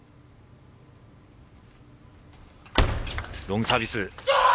ロングサービス。